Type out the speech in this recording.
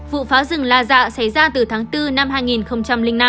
vụ phá rừng la dạ xảy ra từ tháng bốn năm hai nghìn năm